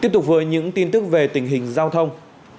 tiếp tục với những tin tức về tình hình giao thông